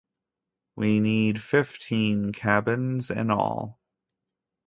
We need fifteen cabins in all.